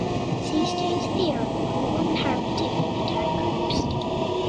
See Stone's theorem on one-parameter unitary groups.